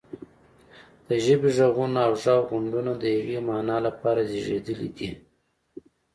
د ژبې غږونه او غږغونډونه د یوې معنا لپاره زیږیدلي دي